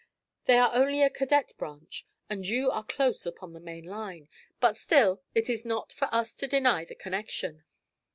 They are only a cadet branch, and you are close upon the main line; but still it is not for us to deny the connection."